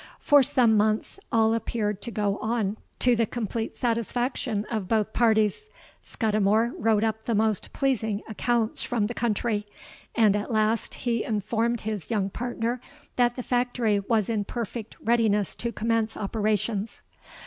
For some months all appeared to go on to the complete satisfaction of both parties: Scudimore wrote up the most pleasing accounts from the country; and at last he informed his young partner that the factory was in perfect readiness to commence operations.